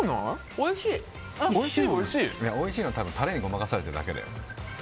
おいしいのはタレにごまかされているだけだよ。